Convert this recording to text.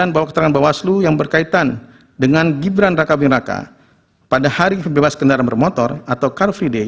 bahwa keterangan bawaslu yang berkaitan dengan gibran raka buming raka pada hari bebas kendaraan bermotor atau car free day